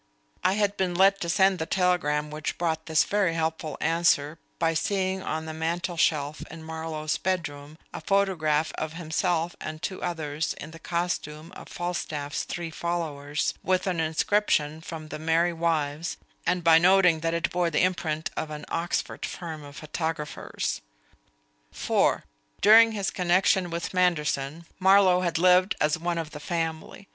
I had been led to send the telegram which brought this very helpful answer by seeing on the mantel shelf in Marlowe's bedroom a photograph of himself and two others in the costume of Falstaff's three followers, with an inscription from The Merry Wives, and by noting that it bore the imprint of an Oxford firm of photographers. (4) During his connection with Manderson, Marlowe had lived as one of the family.